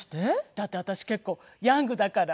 だって私結構ヤングだから。